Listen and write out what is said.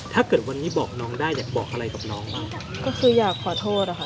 ถ้าเกิดวันนี้บอกน้องได้อยากบอกอะไรกับน้องบ้างก็คืออยากขอโทษอะค่ะ